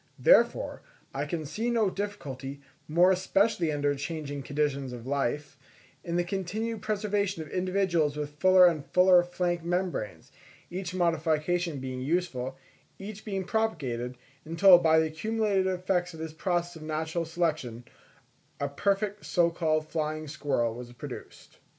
Therefore, I can see no difficulty, more especially under changing conditions of life, in the continued preservation of individuals with fuller and fuller flank membranes, each modification being useful, each being propagated, until, by the accumulated effects of this process of natural selection, a perfect so called flying squirrel was produced.